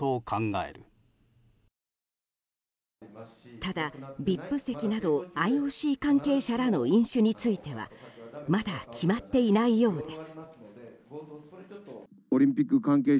ただＶＩＰ席などＩＯＣ関係者らの飲酒についてはまだ決まっていないようです。